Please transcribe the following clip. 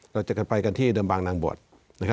เราจะกันไปกันที่เดิมบางนางบวช